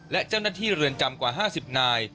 และเจ้าหน้าที่เรือนจำกว่า๕๐นาย